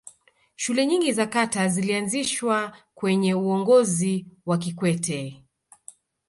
shule nyingi za kata zilianzishwa kwenye uongozi wa kikwete